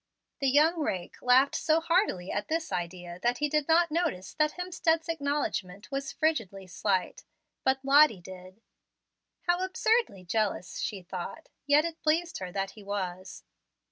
The young rake laughed so heartily at this idea that he did not notice that Hemstead's acknowledgment was frigidly slight; but Lottie did. "How absurdly jealous!" she thought; yet it pleased her that he was.